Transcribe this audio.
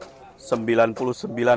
dan kita sudah mencari penyelesaian